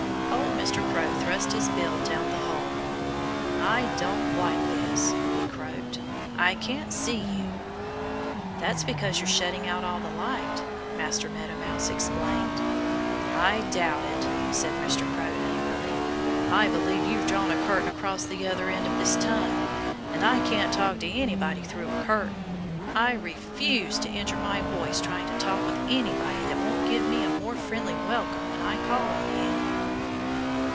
Old Mr. Crow thrust his bill down the hole. "I don't like this," he croaked. "I can't see you." "That's because you're shutting out all the light," Master Meadow Mouse explained. "I doubt it," said Mr. Crow angrily. "I believe you've drawn a curtain across the other end of this tunnel. And I can't talk to anybody through a curtain. I refuse to injure my voice trying to talk with anybody that won't give me a more friendly welcome when I call on him."